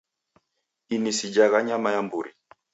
Ini sijagha nyama ya mburi